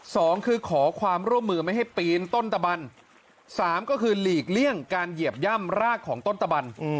สองคือขอความร่วมมือไม่ให้ปีนต้นตะบันสามก็คือหลีกเลี่ยงการเหยียบย่ำรากของต้นตะบัน